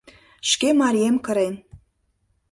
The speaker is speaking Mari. Шке марием кырен.